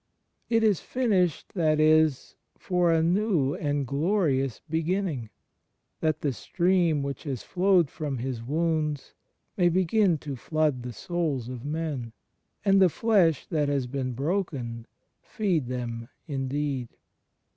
It is finished, that is, for a new and glorious Beginning, that the stream which has flowed from His Wounds may begin to flood the souls of men, and the Flesh that has been broken, feed them indeed.